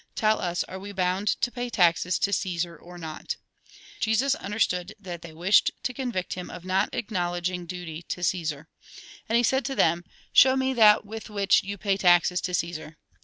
Tell us, are we bound to pay taxes to Csesar or not ?" Jesus understood that they wished to convict him of not acknow ledging duty to Cfesar. And he said to them :" Show me that with which you pay taxes to Caesar."